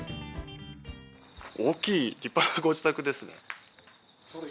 大きい立派なご自宅ですね。